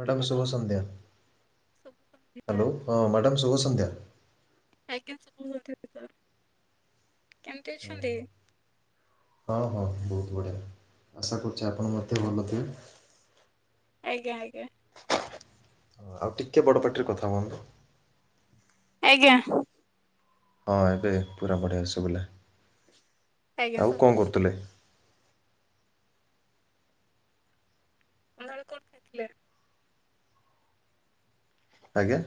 Madam hello ଶୁଭସନ୍ଧ୍ୟା ଶୁଭ ସନ୍ଧ୍ୟା ହାଲୋ ମ୍ୟାଡାମ୍ ଶୁଭସନ୍ଧ୍ୟା। ଆଜ୍ଞା ସାର କୁହନ୍ତୁ କେମିତି ଅଛନ୍ତି? ହଁ ହଁ ବହୁତ ବଢ଼ିଆ ଆଶା କରୁଛି ଆପଣ ମଧ୍ୟ ଭଲ ଥିବେ? ଆଜ୍ଞା ଆଜ୍ଞା। ହଁ ଆଉ ଟିକେ ବଡ ପାଟିରେ କଥା ହୁଅନ୍ତ। ଆଜ୍ଞା ଯୋଉ। ହଁ ଏବେ ପୁରା ବଢିଆ ଶୁଭିଲା। ଆଜ୍ଞା ଆଉ ସାର୍ କଣ କରୁଥିଲେ? ସନ୍ଧ୍ୟା ବେଳେ କୋଉଠି ଥିଲେ? ଆଜ୍ଞା।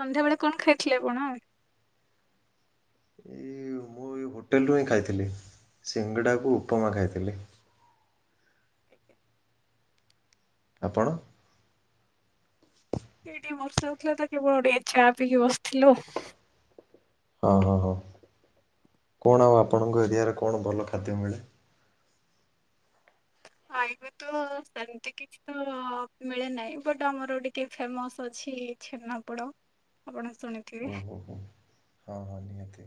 ସନ୍ଧ୍ୟା ବେଳେ କଣ ଖାଇଥିଲେ ଆପଣ? ଏଇ ମୁଁ ଏଇ ହୋଟେଲରୁୁ ହିଁ ଖାଇଥିଲି ସିଙ୍ଗଡ଼ାକୁ ଉପମା ଖାଇଥିଲି। ଆପଣ? ଏ ଟିକେ ବର୍ଷା ହଉଥିଲା ତ କେବଳ ଟିକେ ଚା ପିଇି ବସିଥିଲୁ ଆଉ। ହଁ ହଁ ହଁ କଣ ଆଉ ଆପଣଙ୍କ ଏରିଆରେ କଣ ଭଲ ଖାଦ୍ୟ ମିଳେ? ଖାଇବି ତ ସେମିତି କିଛି ତ ମିଳେ ନାହିଁ ବଟ ଆମର ଟିକେ ଫେମସ ଅଛି। ଛେନାପୋଡ ଆପଣ ଶୁଣି - ଓହୋହୋ ହଁ ହଁ ନିହାତି।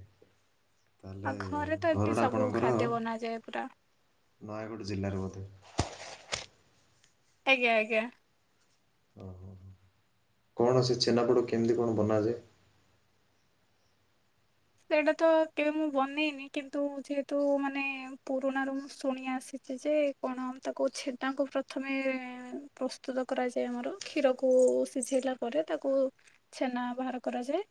ଆଉ ତାହେଲେ ଘରେ ତ ଏମିତି ଘରଟା ସବୁ ଆପଣଙ୍କର ଖାଦ୍ୟ ବନାଯାଏ ପୁରା ନୟାଗଡ଼ ଜିଲ୍ଲାରୁ ବୋଧେ? ଆଜ୍ଞା ଆଜ୍ଞା। ଓହୋ ସେ ଛେନାପୋଡ଼ କେମିତି କଣ ବନାଯାଏ? ସେଇଟା ତ କେବେ ମୁଁ ବନେଇନି କିନ୍ତୁ ଯେହେତୁ ମାନେ ପୁରୁଣାରୁ ମୁଁ ଶୁଣି ଆସିଛି ଯେ - କଣ ତାକୁ ଛେନାକୁ ପ୍ରଥମେ ପ୍ରସ୍ତୁତ କରାଯାଏ ଆମର କ୍ଷୀରକୁ ସିଝେଇଲା ପରେ ତାକୁ ଛେନା ବାହାର କରାଯାଏ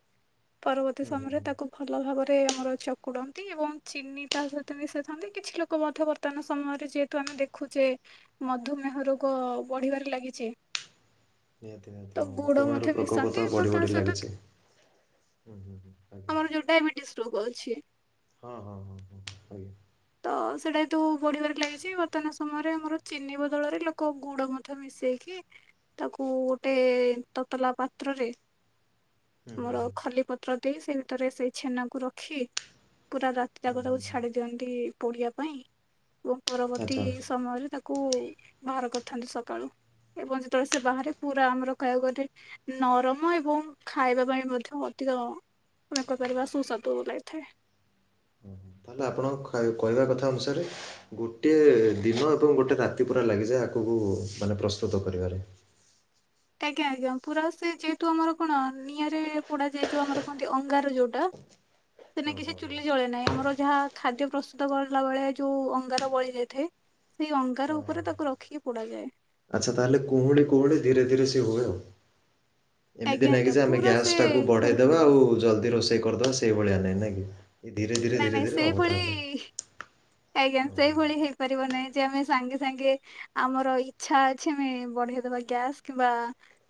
ପରବର୍ତ୍ତୀ ହୁଁ ହୁଁ ସମୟରେ ହୁଁ ତାକୁ ଭଲ ଭାବରେ ଆମର ଚକୁଡନ୍ତି ଏବଂ ଚିନି ତା ସହିତ ମିଶାଇଥାନ୍ତି କିଛି ଲୋକ ମଧ୍ୟ ବ ବର୍ତମାନ ସମୟରେ ଯେହେତୁ ଆମେ ଦେଖୁଚେ ମଧୁମେହ ରୋଗ ବଢିବାରେ ଲାଗିଛି। ନିହାତି ନିହାତି ତ ହଁ ଗୁଡ ମଧୁମେହର ମଧ୍ୟ ପ୍ରକୋପ ତ ମିଶାନ୍ତି ବଢ଼ି ଏବଂ ତା ବଢ଼ି ସହିତ ଲାଗିଛି। ହୁଁ ହୁ ହୁଁ ଆ ଆମର ଯୋଉ ଡାଇବେଟିସ୍ ରୋଗ ଅଛି। ହଁ ହଁ ହଁ ହଁ ଆଜ୍ଞା। ତ ସେଇଟା ଯେହେତୁ ବଢିବାରେ ଲାଗିଛି। ବର୍ତ୍ତମାନ ସମୟରେ ଆମର ଚିନି ବଦଳରେ ଲୋକ ଗୁଡ ମଧ୍ୟ ବି ମିଶେଇକି ତାକୁ ଗୋଟେ ତତଲା ପାତ୍ରରେ। ହୁଁ ହୁଁ ଆମର ହୁଁ ଖଲି ପତ୍ର ଦେଇ, ସେ ଭିତରେ ସେଇ ଛେନାକୁ ରଖି ପୁରା ରାତି ହୁଁ ଯାକ ତାକୁ ହୁଁ ହୁଁ। ଛାଡି ଦିଅନ୍ତି। ପୋଡିିବା ପାଇଁ, ଏବଂ ପରବର୍ତ୍ତୀ ଆଚ୍ଛା ସମୟରେ ତାକୁ ବାହାର କରିଥାନ୍ତି ସକାଳୁ। ଏବଂ ଯେତେବେଳେ ସେ ବାହାରେ ପୁରା ଆମର କାଇବାକୁ ଗଲେ ନରମ ଏବଂ ଖାଇବା ପାଇଁ ମଧ୍ୟ ଅଧିକ [inaudible] ପରିବା ସୁସ୍ୱାଦୁ ଲାଗିଥାଏ। ତ ଆପଣଙ୍କ ଖା କହିବା କଥା ଅନୁସାରେ ଗୋଟେ ଦିନ ଏବଂ ଗୋଟେ ରାତି ପୁରା ଲାଗିଯାଏ ଆକକୁ ମାନେ ପ୍ରସ୍ତୁତ କରିବାରେ। ଆଜ୍ଞା ଆଜ୍ଞା ପୁରା ସେ ଯେହେତୁ ଆମର କଣ ନିଆଁରେ ପୋଡା ଯାଏ ଯୋଉ ଆମର କୁହନ୍ତି ଅଙ୍ଗାର ଯୋଉଟା। ସେନା ହଁ କି ସେ ହଁ ହଁ ଚୁଲି ଜଳେ ନାହିଁ, ଆମର ଯାହା ଖାଦ୍ୟ ପ୍ରସ୍ତୁତ କଲା ବେଳେ ଯୋଉ ଅଙ୍ଗାର ବଳି ଯାଇଥାଏ। ସେଇ ଅଙ୍ଗାର ହଁ ହଁ ଉପରେ ହଁ। ତାକୁ ରଖିକି ପୋଡାଯାଏ। ଆଚ୍ଛା ତାହେଲେ କୁହୁଳି କୁହୁଳି ଧୀରେ ଧୀରେ ସେ ହୁଏ ଆଉ। ଏମିତି ଆଜ୍ଞା ନାଇଁ କି ଆଜ୍ଞା ଯେ ଆମେ ପୁରା ଗ୍ୟାସ୍ ସେ ଟାକୁ ବଢେଇଦବା କୁହୁଳିକି ହବ। ଆଉ ଜଲଦି ରୋଷେଇ କରିଦବା। ସେଇଭଳିଆ ନାହିଁ ନାଇଁ କି। ଏ ଧୀରେ ଧୀରେ ନାଇଁ ଧୀରେ ନାଇଁ ଧୀରେ ହବ ସେଇଭଳି ତାହେଲେ। ଆଜ୍ଞା ଓହୋ ସେଇଭଳି ହେଇପାରିବ ନାହିଁ। ଯେ ଆମେ ସାଙ୍ଗେ ସାଙ୍ଗେ ଆମର ଇଚ୍ଛା ଅଛି ଆମେ ବଢେଇଦବା। ଗ୍ୟାସ୍ କିମ୍ବା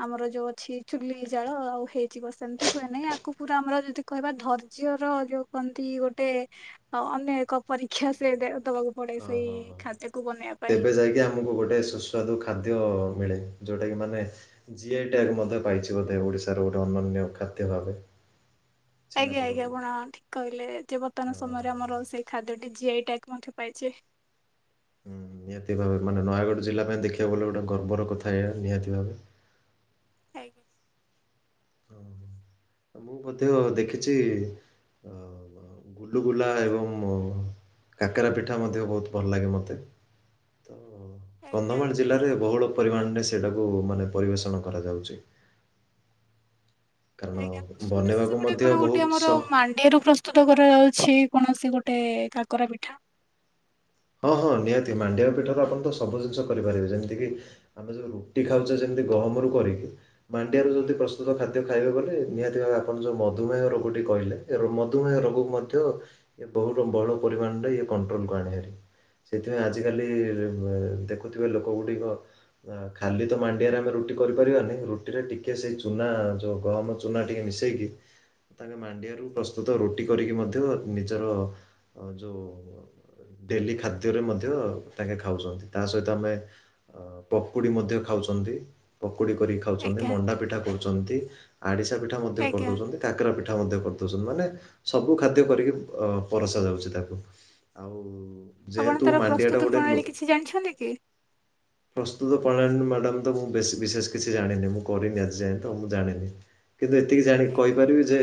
ଆମର ଯୋଉ ଅଛି ଚୁଲି ଜାଳ ଆଉ ହେଇଜିବ, ସେମିତି ହୁଏ ନାହିଁ ଆକୁ ପୁରା ଆମର ଯଦି କହିବା ଧୈର୍ଯ୍ୟ ର ଯୋଉ କୁହନ୍ତି ଗୋଟେ ଓ ଅନେ ଏକ ପରୀକ୍ଷା ସେ ଦେ ଦବା ଗୋ ହଁ ହଁ ହଁ ତେବେ ଯାଇକି ଆମକୁ ଗୋଟେ ସୁସ୍ୱା ସୁସ୍ୱାଦୁ ଖାଦ୍ୟ ମିଳେ ଯୋଉଟା କି ମାନେ ଜି ଆଇ ଟ୍ୟାଗ ମଧ୍ଯ ପାଇଛି ବୋଧେ ଓଡିଶାର ଗୋଟେ ଅନ୍ୟନ୍ୟ ଖାଦ୍ୟ ଭାବେ। ଆଜ୍ଞା ଆଜ୍ଞା ଛେନାପୋଡଟି। ଆପଣ ଠିକ କହିଲେ ଯେ ବର୍ତ୍ତମାନ ହଁ ହଁ ସମୟରେ ହଁ ଆମର ସେ ଖାଦ୍ୟଟି ଜି ଆଇ ଟ୍ୟାଗ୍ ମଧ୍ୟ ପାଇଚି। ହୁଁ ନିହାତି ଭାବେ ମାନେ ନୟାଗଡ଼ ଜିଲ୍ଲା ପାଇଁ ଦେଖିବାକୁ ଗଲେ ଗୋଟେ ଗର୍ବର କଥା ଏହା ନିହାତି ଭାବେ। ଆଜ୍ଞା। ଓ ମୁଁ ମଧ୍ୟ ଦେଖିଚି ଅ- ଗୁଲୁଗୁଲା ଏବଂ କାକେରା ପିଠା ମଧ୍ୟ ବହୁତ୍ ଭଲ ଲାଗେ ମତେ। ତ ଆଜ୍ଞା। କନ୍ଧମାଳ ଜିଲ୍ଲାରେ ବହୁଳ ପରିମାଣରେ ସେଇଟାକୁ ମାନେ ପରିବେଷଣ କରାଯାଉଚି। ଆଜ୍ଞା ଶୁଣେ ବନେଇବାକୁ ସେପଟେ ମଧ୍ୟ କଣ ବହୁତ ଗୋଟେ ଆମର ସ ମାଣ୍ଡ୍ ଣ୍ଡିଆ ରୁ ପ୍ରସ୍ତୁତ କରାଯାଉଛି କୌଣସି ଗୋଟେ କାକରା ପିଠା। ହଁ- ହଁ ନିହାତି ମାଣ୍ଡିଆ ପିଠାରେ ଆପଣ ତ ସବୁ ଜିନିଷ କରିପାରିବେ ଯେମିତି କିି ଆମେ ଯଉ ରୁଟି ଖାଉଚେ ଯେମିତି ଗହମରୁୁ କରିକି ମାଣ୍ଡିଆରୁ ଯଦି ପ୍ରସ୍ତୁତ ଖାଦ୍ୟ ଖାଇବେ ବଲେ ନିହାତି ଭାବେ ଆପଣ ଯଉ ମଧୁମେହ ରୋଗ ଟି କହିଲେ ର- ମଧୁମେହ ରୋଗକୁ ମଧ୍ୟ ଏ ବହୁତ ବଡ ପରିମାଣ ରେ ଇଏ କଣ୍ଟ୍ରୋଲ କୁ ଆଣେ ହାରି। ସେଥିପାଇଁ ଆଜିକାଲି ଦେଖୁଥିବ ଲୋକ ଗୁଡିକ ଅ- ଖାଲି ତ ମାଣ୍ଡିଆରେ ଆମେ ରୁଟି କରିପାରିବାନି ରୁଟିରେ ଟିକେ ସେଇ ଚୁନା ଯଉ ଗହମ ଚୁ ଚୁନା ଟିକେ ମିଶେଇକି ତାଙ୍କେ ମାଣ୍ଡିଆରୁ ପ୍ରସ୍ତୁତ ରୁଟି କରିକି ମଧ୍ୟ ନିଜର ଅ- ଯଉ ଡେଲି ଖାଦ୍ୟରେ ମଧ୍ୟ ତାଙ୍କେ ଖାଉଚନ୍ତି ତା ସହିତ ଆମେ ଅ- ପକୁଡି ମଧ୍ୟ ଖାଉଚନ୍ତି ପକୁଡି କରି ଖାଉଚନ୍ତି ଆଜ୍ଞା ମଣ୍ଡା ପିଠା କରୁଚନ୍ତି ଆରିଶା ପିଠା ମଧ୍ୟ ଆଜ୍ଞା କରିଦଉଚନ୍ତି। କାକେରା ପିଠା ମଧ୍ୟ କରିଦଉଚନ୍ତି ମାନେ ସବୁ ଖାଦ୍ୟ କରିକି ଅ- ପରସା ଯାଉଚି ତାଙ୍କୁ। ଆଉ ଆପଣ ଯେହେତୁ ତାର ମାଣ୍ଡିଆଟା ପ୍ରସ୍ତୁତ ଗୋଟେ ନୂ- ପ୍ରଣାଳୀ କିଛି ଜାଣିଛନ୍ତି କି? ପ୍ରସ୍ତୁତ ପଣାଳୀ ମ୍ୟାଡ଼ାମ୍ ତ ମୁଁ ବେଶୀ-ବିଶେଷ କିଛି ଜାଣିନି ମୁଁ କରିନି ଆଜି ଯାଏ ତ ମୁଁ ଜାଣିନି। କିନ୍ତୁ ଏତିକି ଜାଣିକି କହିପାରିବି ଯେ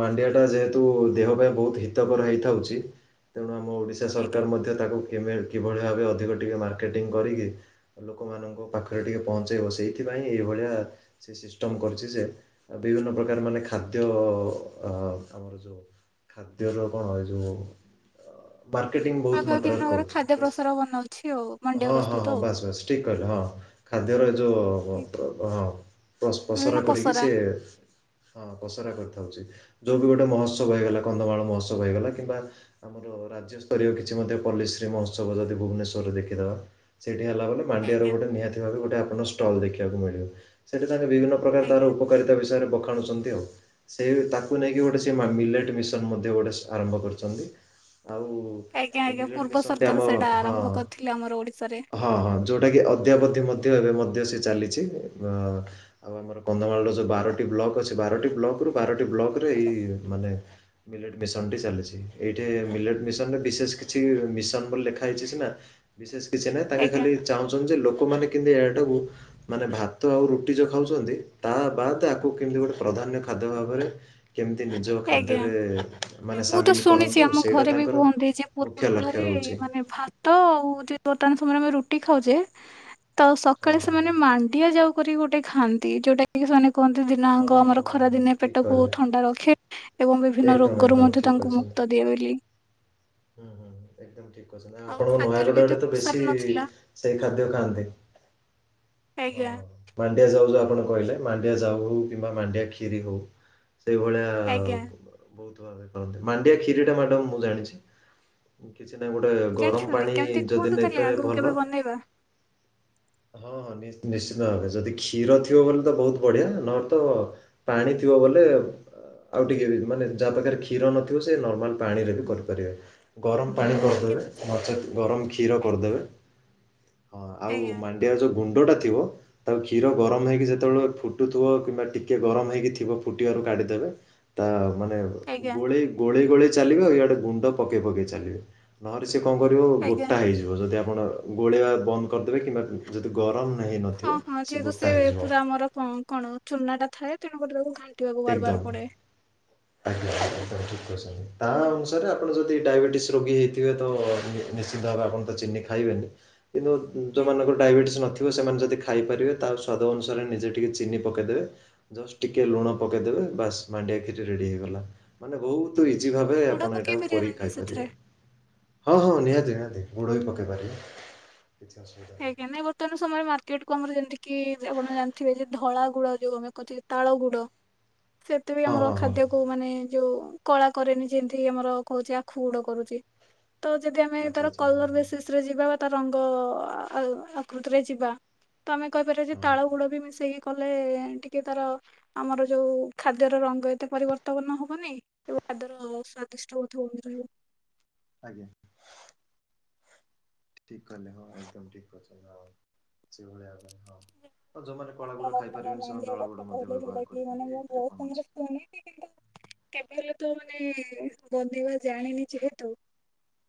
ମାଣ୍ଡିଆ ଟା ଯେହେତୁ ଦେହ ପାଇଁ ବହୁତ୍ ହିତକର ହେଇଥାଉଚି ତେଣୁ ଆମ ଓଡ଼ିଶା ଆଜ୍ଞା ସରକାର୍ ମଧ୍ୟ ତାକୁ କେବେ-କିଭଳି ଭାବେ ଅଧିକ ଟିକେ ମାର୍କେଟିଂ କରିକି ଲୋକମାନଙ୍କ ପାଖରେ ଟିକେ ପହଞ୍ଚେଇବ ସେଇଥିପାଇଁ ଏଇଭଳିଆ ସେ ସିଷ୍ଟମ୍ କରିଚି ଯେ ବିଭିନ୍ନ ପ୍ରକାର ମାନେ ଖାଦ୍ୟ ଆ-ଆମର ଯଉ ଖାଦ୍ୟର କଣ ଏସବୁ ମାର୍କେଟିଂ ବହୁତ୍ ପାଗ ବିଭିନ୍ନ ମାତ୍ରାରେ ପ୍ରକାର କରୁଚି ଖାଦ୍ୟ ପ୍ରସାର ବନାଉଛି ଆଉ ତସ୍- ମାଣ୍ଡିଆ ହଁ -ହଁ- ପ୍ରସ୍ତୁତ ହଁ ଆଉ। ବାସ୍ ବାସ୍ ଠିକ୍ କହିଲ ହଁ। ଖାଦ୍ୟର ଯଉ ବିଭିନ୍ନ ଅଁ-ପ-ପସରା କରିକି ପସରା ସେ ହଁ ପସରା କରିଥାଉଚି ଯଉ ବି ଗୋଟେ ମହୋତ୍ସବ ହେଇଗଲା କନ୍ଧମାଳ ମହୋତ୍ସବ ହେଇଗଲା କିମ୍ବା ଆମର ରାଜ୍ୟସ୍ତରୀୟ କିଛି ମଧ୍ୟ ପଲ୍ଲିଶ୍ରୀ ମହୋତ୍ସବ ଯଦି ଭୁବନେଶ୍ୱରରେ ଦେଖିଦବା ସେଇଠି ହେଲା ବଲେ ମାଣ୍ଡିଆର ଆଜ୍ଞା ଗୋଟେ ନିହାତି ଭାବେ ଗୋଟେ ଆପଣ ଷ୍ଟଲ୍ ଦେଖିବାକୁ ମିଳିବ ସେଠି ତାଙ୍କେ ବିଭିନ୍ନ ପ୍ରକାର ତାର ଆଜ୍ଞା। ଉପକାରିତା ବିଷୟରେ ବଖାଣୁଚନ୍ତି। ତି ଆଉ ସେ ବି ତାକୁ ନେଇକି ଗୋଟେ ସିଏ ମା- ମିଲେଟ୍ ମିଶନ୍ ମଧ୍ୟ ଗୋଟେ ଆରମ୍ଭ କରିଚନ୍ତି। ଆଉ ଆଜ୍ଞା ଆଜ୍ଞା ପୂର୍ବ ସରକାର୍ ଆମ ସେଇଟା ଆରମ୍ଭ ହଁ କରିଥିଲେ ଆମର ଓଡିଶାରେ। ହଁ- ହଁ ଯଉଟାକି ଅଦ୍ୟାବଧି ମଧ୍ୟ ଏବେ ମଧ୍ୟ ସେ ଚାଲିଚି ଅଁ- ଆଉ ଆମର କନ୍ଧମାଳର ଯଉ ବାରଟି ବ୍ଲକ୍ ଅଛି ବାରଟି ବ୍ଲକ୍ ରୁ ବାରଟି ବ୍ଲକରେ ଏଇ ମାନେ ମିଲେଟ୍ ମିଶନ୍ ଟି ଚାଲିଚି ଏଇ ଇଏ ମିଲେଟ୍ ମିଶନ୍ ରେ ବିଶେଷ କିଛି ମିଶନ୍ ବୋଲି ଲେଖା ହେଇଚି ସିନା ବିଶେଷ୍ କିଛି ନାହିଁ ତାଙ୍କେ ଆଜ୍ଞା ଖାଲି ଚାହୁଁଚନ୍ତି ଯେ ଲୋକମାନେ କିନ୍ତୁ ଏ ଟାକୁ ମାନେ ଭାତ ଆଉ ରୁଟି ଯୋଉ ଖାଉଛନ୍ତି ତା ବାଦ ଆକୁ କେମିତି ଗୋଟେ ପ୍ରାଧାନ୍ୟ ଖାଦ୍ୟ ଭାବରେ। କେମିତି ନିଜର ଆଜ୍ଞା। ଖାଦ୍ୟରେ ନାଇଁ, ମାନେ ମୁଁ ତ ସାମିଲ କରନ୍ତି। ଶୁଣିଛି ଆମ ଘରେ ବି କୁହନ୍ତି ଯେ ପୂର୍ବ କଳରେ ରହୁଛି। ମାନେ ଭା ତ ଆଉ ହଉଛି ବର୍ତ୍ତମାନ ସମୟରେ ଆମେ ରୁଟି ଖାଉଛେ ତ ହଁ ସକାଳେ ହଁ ହଁ। ସେମାନେ ମାଣ୍ଡିଆ ଯାଉ। କରିକି ଗୋଟେ ଖାଆନ୍ତି ଯୋଉଟା କି ସେମାନେ କୁହନ୍ତି ଦିନ ହଁ ଯାଙ୍କ ହଁ ଆମର ହଁ ଖରା ହଁ ଦିନେ ଠିକ୍ ପେଟକୁ କହିଲେ ଥଣ୍ଡା ରଖେ। ଏବଂ ବିଭିନ୍ନ ଏକଦମ ରୋଗରୁ ଏକଦମ ମଧ୍ୟ ଠିକ୍ ତାଙ୍କୁ କହିଛନ୍ତି। ମୁକ୍ତ ଦିଏ ବୋଲି। ହୁଁ ହୁଁ ଏକଦମ ଠିକ କହୁଛନ୍ତି ଆଉ ଆପଣଙ୍କ ଖାଦ୍ୟରେ ବି ନୟାଗଡ ଏତେ ଆଡେ ତ ପ୍ରସାର ବେଶୀ। ନଥିଲା ସେଇ ଖାଦ୍ୟ ଖାଆନ୍ତି ହଁ। ଆଜ୍ଞା ମାଣ୍ଡିଆ ଯାଉ ଯୋଉ ଆପଣ କହିଲେ ମାଣ୍ଡିଆ ଯାଉ ହଉ କିମ୍ବା ମାଣ୍ଡିଆ କ୍ଷିରି ହଉ ସେଇଭଳିଆ। ଆଜ୍ଞା। ବହୁତ ଭଲରେ କରନ୍ତି ମାଣ୍ଡିଆ କ୍ଷରି ଟା ମ୍ୟାଡାମ ମୁଁ ଜାଣିଛି। କିଛି ନାହିଁ ଗୋଟେ ଗରମ ଜାଣିଛନ୍ତି ପାଣି କେମିତି ଯଦି କୁହନ୍ତୁ ତାହେଲେ ନେଇପାରିବେ ଆଗକୁ ଭଲ। କେବେ ବନେଇବା ହଁ ହଁ ନିଶ୍ଚିନ୍ତ ଭାବେ ଯଦି କ୍ଷୀର ଥିବ ବୋଲି ତ ବହୁତ ବଢିଆ ନହେଲେ ତ। ପାଣି ଥିବ ବୋଲେ। ଆଉ ଟିକେ ମାନେ ଯାହା ପାଖରେ କ୍ଷୀର ନଥିବ ସେ ନର୍ମାଲ ପାଣିରେ ବି କରିପାରିବ। ଗରମ ପାଣି କରିଦେବେ ନଚେତ୍ ଗରମ କ୍ଷୀର ଆଜ୍ଞା କରିଦେବେ ହଁ ଆଉ ଆଜ୍ଞା ମା ଏହାର ଯୋଉ ଗୁଣ୍ଡଟା ଥିବ। ତାକୁ କ୍ଷୀର ଗରମ ହେଇକି ଯେତେବେଳେ ଫୁଟୁଥିବ କିମ୍ବା ଟିକେ ଗରମ ହେଇକି ଥିବ ଫୁଟିବାରୁ କାଢିଦେବେ। ତା ମାନେ ଆଜ୍ଞା ଗୋଳେଇ ଗୋଳେଇ ଗୋଳେଇ ଚାଲିବେ ଆଉ ଇଆଡେ ଗୁଣ୍ଡ ପକେଇ ପକେଇ ଚାଲିବେ। ନହେଲେ ସିଏ କଣ କରିବ ଆଜ୍ଞା ଗୋଟା ହେଇଯିବ ଯଦି ଆପଣ ଗୋଳେଇବା ବନ୍ଦ କରିଦେବେ କିମ୍ବା। ଯଦି ଗରମ ନା ହେଇନଥିବ ସେ ଗୋଟା ହେଇଯିବ। ମୋର କଁ। କଣ ଚୁନା ଟା ଥାଏ ତେଣୁ କରି ତାକୁ ଘା ଏକଦମ ଆଜ୍ଞା ଆଜ୍ଞା ଠିକ୍ କହୁଛନ୍ତି। ତା ଅନୁସାରେ ଆପଣ ଯଦି ଡାଇବେଟିସ୍ ରୋଗୀ ହେଇଥିବେ ତ ନିଶ୍ଚିନ୍ତ ଭାବେ ଆପଣ ତ ଚିନି ଖାଇବେନି। କିନ୍ତୁ ଯୋଉ ଆଜ୍ଞା। ମାନଙ୍କର ଡାଇବେଟିସ୍ ନଥି ସେମାନେ ଯଦି ଖାଇପାରିବେ ତାହେଲେ ସ୍ଵାଦ ଅନୁସାରେ ନିଜେ ଟିକେ ଚିନି ପକେଇଦବେ ଜଷ୍ଟ ଟିକେ ଲୁଣ। ପକେଇଦେବେ ବାସ୍ ମାଣ୍ଡିଆ ଖିରି ରେଡି ହେଇଗଲା ମାନେ ବହୁତ। ତୁ ଇଜି ଭାବେ ଗୁଡ ଆପଣ ପକେଇ ଏଇଟାକୁ ପାରିବେ ନା କରିକି ନାଇଁ ସେଥିରେ? ଖାଇପାରିବେ। ହଁ ହଁ ନିହାତି ନିହାତି ଗୁଡ଼ ବି ପକାଇ ପାରିବେ କିଛି ଅସୁବିଧା। ନାହିଁ ଆଜ୍ଞା ନାଇଁ ବର୍ତ୍ତମାନ ସମୟରେ ମାର୍କେଟ କୁ ଆମର ଯେମିତି କିି ଆପଣ ଜାଣିଥିବେ ଯେ ଧଳା ଗୁଡ ଯୋଉ ଆମେ। କହନ୍ତି କି ତାଳ ଗୁଡ ସେତୁ ବି ହଁ ଆମର ହଁ ହଁ ଖାଦ୍ୟ। କୁ ମାନେ ଯୋଉ କଳା କରେନି ଯେମିତିକି ଆମର କହୁଛେ ଆଖୁ ଗୁଡ କରୁଛି। ତ ଯଦି ଆମେ ଆଚ୍ଛା ତାର ଆଚ୍ଛା ହଁ କଲର ହଁ ବେସିସ ରେ ଯିବା ବା ତା ରଙ୍ଗ। ଆଉ ଆକୃତିରେ ଯିବା ତ ଆମେ କହିପାରିବା ଯେ ହଁ ହଁ ତାଳ ଗୁଡ ବି ମିଶେଇକି। କଲେ ଟିକେ ତାର ଆମର ଯୋଉ ଖାଦ୍ୟର ରଙ୍ଗ ଏତେ ପରିବର୍ତ୍ତନ ହବନି। ଏବଂ ଖାଦ୍ୟ ର ସ୍ଵାଦିଷ୍ଟ ମଧ୍ୟ ରହିବ। ଆଜ୍ଞା। ଠିକ କହିଲେ ହଁ ଏକଦମ୍ ଠିକ୍ କହିଛନ୍ତି ଆପଣ ସେଭଳିଆ ମାନେ ହଁ। ଆଉ ଯୋଉ ମାନେ କଳା ଗୁଡ ଖାଇ ମାନେ ପାରିବେନି ସେମାନେ ମନ୍ଦିର ଧଳା କଥା ଗୁଡ ମଧ୍ୟ କହିଲେ ଯୋଉଟା ବ୍ୟବହାର କି ମାନେ କରିପାରିବେ ମୁଁ ଏଇଥିରେ ବହୁତ କଣ ସମୟରେ ଅଛି। ଶୁଣିଛି କିନ୍ତୁ କେବେ ହେଲେ ତ ମାନେ ବନେଇବା ଜାଣିନି ଯେହେତୁ।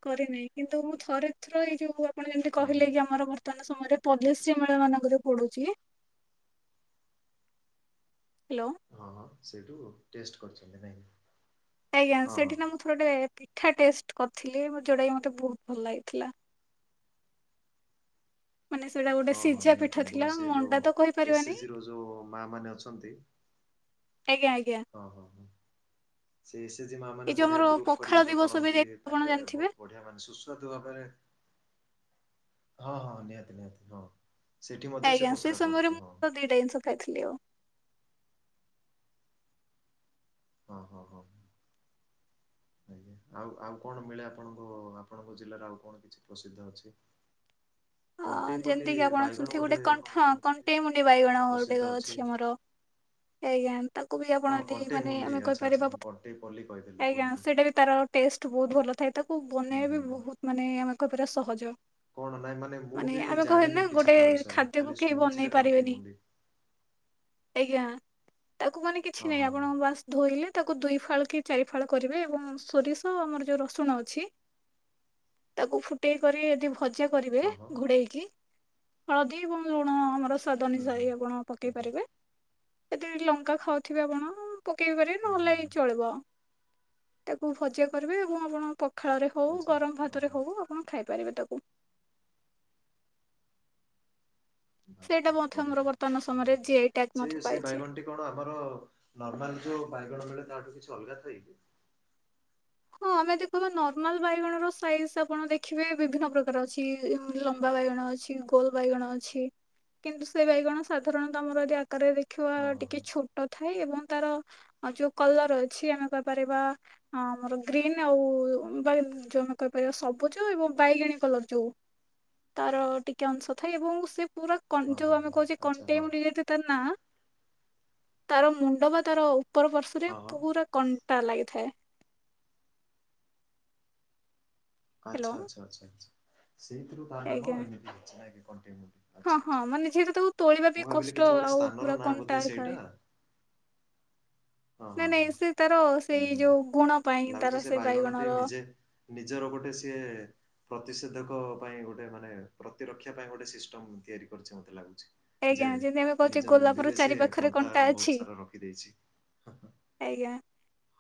କରିନି କିନ୍ତୁ ମୁଁ ଥରେ ଥର ଏଇ ଯୋଉ। ଆପଣ ଯେମିତି ହଁ ହଁ କହିଲେ କି ଆମର ବର୍ତ୍ତମାନ ସମୟରେ ପଲିଶ୍ରି ମେଳା ମାନଙ୍କରେ ଯୋଉ ପଡୁଛି। ହାଲୋ। ହଁ ହଁ ସେଇଠୁ ଟେଷ୍ଟ କରିଛନ୍ତି ନାଇଁ। ଆଜ୍ଞା ହଁ ହଁ ସେଠି ନା ମୁଁ ଥରେ ପିଠା ଟେଷ୍ଟ କରିଥିଲି ଯୋଉଟାକି ମତେ ବହୁତ ଭଲ ଲାଗିଥିଲା। ମାନ ସେଟା ହଁ ହଁ ନିହାତି ସେ ଯୋଉ ଏସ କହିପାରିବାନି ଜି ର ଯୋଉ ମା ମାନେ ଅଛନ୍ତି ଆଜ୍ଞା ଆଜ୍ଞା। ଓ ହ ସେ ଏସେ ଜି ମା ଏଇ ମାନେ ଯୋଉ ବଢିଆ ଆମର ଗ୍ରୁପ ପଖାଳ କରିକି ଯୋଉ ଦିବସ ବି କରନ୍ତି ଯାଇଥିବ ଆପଣ ତାଙ୍କେ ଜାଣିଥିବେ ବହୁତ ବଢିଆ। ମାନେ ସୁସ୍ୱାଦୁ ଭାବରେ ହଁ ହଁ ନିହାତି ନିହାତି ହଁ। ସେଠି ମଧ୍ୟ ଆଜ୍ଞା ସେ ପସରା ସମୟରେ ପଡ଼ୁଛି ହଁ ମୁଁ ଦିଟା ଜିନିଷ ଖାଇଥିଲି ଆଉ। ଓ ହୋ ହଁ ହଁ। ଆଉ ଆଉ କଣ ମିଳେ ଆପଣଙ୍କ ଆପଣଙ୍କ ଜିଲ୍ଲାରେ ଆଉ କଣ କିଛି ପ୍ରସିଦ୍ଧ ଅଛି। ହଁ କଣ୍ଟେଇପଲ୍ଲୀ ଯେମିତି କିି ଆପଣ ବାଇଗଣ ଶୁଣିଥିବ ଗୋଟେ କଣ କଣ୍ଠଁ ଶୁଣୁଥିଲି କଣ୍ଟେଇ ମୁୁଣ୍ଡି ବାଇଗଣଟେ ଅଛି ଆମର। ଆଜ୍ଞା। ତାକୁ ବି ହଁ ଆପଣ ଯଦି କଣ୍ଟେଇ ମାନେ ମୁଣ୍ଡି ଆମେ ଆଚ୍ଛା ଆଚ୍ଛା କହିପାରିବା ମୁଁ କଣ୍ଟେଇ ପଲ୍ଲ କହିଦେଲି। ଆଜ୍ଞା ସେଇଟା ବି ତାର ଟେଷ୍ଟ ବହୁତ ଭଲ ଥାଏ ତାକୁ ହୁଁ ବନେଇବା ହୁଁ। ବି ବହୁତ ମାନେ ଆମେ କହପାର ସହଜ। କଣ ନା ନାଇଁ ମାନେ ମୁଁ ମାନେ ବି ଆମେ କହେ ନା ଜାଣିନି କିଛି ଗୋଟେ ତା ବିଷୟରେ ଖାଦ୍ୟକୁୁ ଖାଲି କେହି ଶୁଣିଛି ଯେ ବନେଇ କଣ୍ଟେଇ ପାରିବେନି। ମୁଣ୍ଡି। ଆଜ୍ଞା ତାକୁ ମାନେ କିଛି ହଁ ନାଇଁ ହଁ ଆପଣଙ୍କ ବାସ ଧୋଇଲେ ତାକୁ ଦୁଇ ଫାଳ କି ଚାରି ଫାଳ କରିବେ ଏବଂ ସୋରିଷ ଆମର ଯୋଉ ରସୁଣ ଅଛି। ତାକୁ ଫୁଟେଇ କରି ଯଦି ଭଜା କରିବେ ହଁ ହଁ ଘୋଡେଇକି ହଳଦୀ ଏବଂ ଲୁଣ ଆମର ସ୍ୱାଦ ହଁ ହୁଁ ହୁଁ ଅନୁସାରେ ଆପଣ ପକେଇ ଆଜ୍ଞା ପାରିବେ। ଏଦେ ଲଙ୍କା ଖାଉଥିବେ ଆପଣ ପକେଇ ପାରିବେ ହୁଁ ହୁଁ ନହେଲେ ହୁଁ ଚଳିବ। ତାକୁ ଭଜା କରିବେ ଏବଂ ଆପଣ ପଖାଳରେ ହଉ ଆଚ୍ଛା ଗରମ ହଁ ଭାତରେ ହଁ। ହଉ ଆପଣ ଖାଇପାରିବେ ତାକୁ। ବାସ୍ ସେଇଟା ବାସ୍ ମଧ୍ୟ ବଢ଼ିଆ ଆମର ଆଉ। ବର୍ତ୍ତମାନ ହଁ ସମୟରେ ହଁ ଜି ଆଇ ଟକ୍ ସେ ମଧ୍ୟ ସେ ପାଇଛି। ବାଇଗଣଟି କଣ ଆମର ନର୍ମାଲ ଯୋଉ ବାଇଗଣ ମିଳେ ତାଠୁ କିଛି ଅଲଗା ଥାଇକି। ହଁ ଆମେ ଯଦି କହିବା ନର୍ମାଲ ବାଇଗଣ ର ସାଇଜ ଆପଣ ଦେଖିବେ ବିଭିନ୍ନ ପ୍ରକାର ଅଛି ଲମ୍ବା ବାଇଗଣ ଅଛି। ଗୋଲ ବାଇଗଣ ଅଛି କିନ୍ତୁ ସେ ବାଇଗଣ ସାଧାରଣତଃ ଆମର ଯଦି ଆକାରରେ ଦେ ହଁ ଖୁଆର ହଁ ଟିକେ ଛୋଟ ଟ ଥାଏ ଏବଂ ତାର ଯୋଉ କଲର ଅଛି ଆମେ କହିପାରିବା ଆମର ଗ୍ରୀନ୍ ଆଉ ବାଈ କହିପାରିବା ସବୁଯ ଏବଂ ବାଇଗଣୀ କଲର ଯୋଉ। ତାର ଟିକେ ଅଂଶ ଥାଏ ଏବଂ ସେ ପୁରା ଙ୍କ ହଁ ଯୋଉ ହଁ ଆମେ ହଁ ହଁ କହୁଛେ ଆଚ୍ଛା କଣ୍ଟେଇ ହଁ ମୁି ତା ନାଁ। ତାର ମୁଣ୍ଡ ବା ତାର ଉପର ପାର୍ଶ୍ଵରେ ହଁ ହଁ। ପୁରା କଣ୍ଟା ଲାଗିଥାଏ। ହ୍ୟାଲୋ ଆଚ୍ଛା ଆଛା ଆଛା ଆଚ୍ଛା ସେଇଥିରୁ ତା ନାମ ଆଜ୍ଞା ଏମିତି କଣ୍ଟେଇ ହଁ ହଁ ମାନେ ଯେହେତୁ ତାକୁ ତୋଳିବା ବି କଷ୍ଟ କିଛି ଗୋଟେ ଆଉ ସ୍ଥାନର ପୁରା ନାଁ କଣ୍ଟା ବୋଧେ ସେଇଟା ହେଇଥାଏ। ହଁ ହଁ ନାଇଁ ହଁ ନାଇଁ ସେ ତାର ହୁଁ ସେଇ ହୁଁ। ଯୋଉ ଗୁଣ ପାଇଁ ଲାଗୁଛି ତାର ସେ ବାଇଗଣଟି ବାଇଗଣ ର ନିଜେ ନିଜର ଗୋଟେ ସିଏ ପ୍ରତିଷେଧକ ପାଇଁ ଗୋଟେ ମାନେ ପ୍ରତିରକ୍ଷା ପାଇଁ ଗୋଟେ ସିଷ୍ଟମ ତିଆରି କରିଛେ ମୋତେ ଲାଗୁଛି। ଆଜ୍ଞା ଯେ ଯେମିତି ଆମେ କହୁଛେ ନିଜ ଗୋଲାପର ମୁଣ୍ଡିରେ ଚାରି ସିଏ ପାଖରେ କଣ୍ଟା ଅଛି ବହୁତ ସାରା ରଖିଦେଇଛି। ହଁ ଆଜ୍ଞା।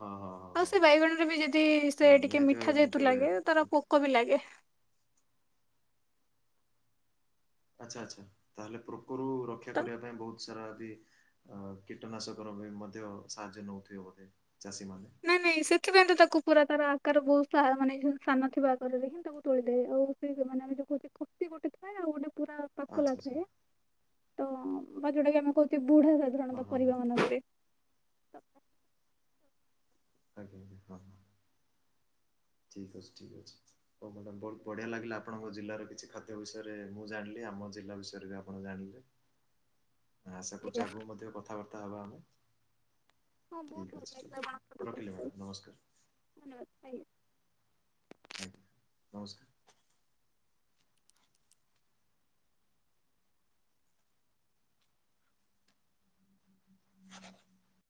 ହଁ ହଁ। ଆଉ ହଁ ସେ ବାଇଗଣରେ ବି ଯଦି ସେ ହଁ ଟିକେ ନିହାତି ମିଠା ଭାବେ ମୁଁ ଯେହେତୁ କେବେ ଲାଗେ ତାର ପୋକ ବି ଲାଗେ। ଆଚ୍ଛା ଆଚ୍ଛା ତାହେଲେ ପୋକରୁ ରକ୍ଷା ତ କରିବା ପାଇଁ ବହୁତ। ସାରା ବି ଅ କୀଟନାଶକ ର ବି ମଧ୍ୟ ସାହାଯ୍ୟ ନଉଥିବ ବୋଧେ ଚାଷୀ ମାନେ। ନାଇଁ ନାଇଁ ସେଥିପାଇଁ ତ ତାକୁ ପୁରା ତାର ଆକାର ବହୁତ ଶାହା ସାନ ଥିବା ଆକାରରେ ହିଁ ତାକୁ ତୋଳିଦେଏ ଆଉ। ନେ ଯଉ ମନେ ଆମେ ଜୋ କହୁ ଖୋପି ଗୋଟେ ଥାଏ। ଆଉ ଗୋଟେ ପୁରା ଆଚ୍ଛା ପାକଲା ଆଚ୍ଛା ଥାଏ ତ ବା ଯୋଉଟା କି ଆମେ କହୁଛେ ବୁଢା ହଁ ସାଧାରଣତଃ ହଁ ହଁ ପରିବା ମାନଙ୍କରେ। ତ ଆଜ୍ଞ ହଁ ହଁ। ଠିକ୍ ଅଛି ଠିକ୍ ଅଛି। ହଉ ମ୍ୟାଡ଼ାମ୍ ବହୁତ ବଢ଼ିଆ ଲାଗିଲା ଆପଣଙ୍କ ଜିଲ୍ଲାର କିଛି ଖାଦ୍ୟ ବିଷୟରେ ମୁଁ ଜାଣିଲି ଆମ ଜିଲ୍ଲା ବିଷୟରେ ବି ଆପଣ ଜାଣିଲେ। ଆଶା କରୁଛି ଆଗକୁ ମଧ୍ୟ କଥାବାର୍ତ୍ତା ହବା ଆମେ। ହଁ ଠିକ୍ ବହୁତ ଭଲ ଅଛି ଠିକ୍ ଅଛି ଲାଗିଲା ଆପଣ ଙ୍କ ସହ ରଖିଲି କଥା ମ୍ୟାଡ଼ାମ୍ ନମସ୍କାର ହେଇକି ଧନ୍ୟବାଦ। ଆଜ୍ଞା ନମସ୍କାର। [inaudible]